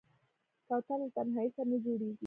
کوتره له تنهايي سره نه جوړېږي.